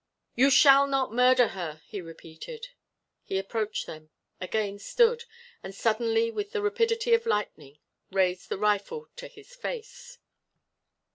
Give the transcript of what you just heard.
"You shall not murder her!" he repeated. He approached them again stood, and suddenly with the rapidity of lightning raised the rifle to his face.